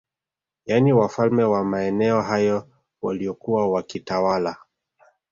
Yani wafalme wa maeneo hayo waliokuwa wakitawala